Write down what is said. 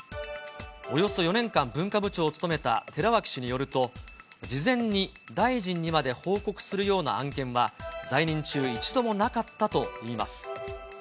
およそ４年間、文化部長を務めた寺脇氏によると、事前に大臣にまで報告するような案件は、在任中一度もなかったといいます。